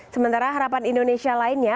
sementara harapan indonesia lainnya